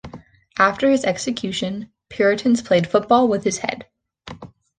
After his execution, Puritans played football with his head.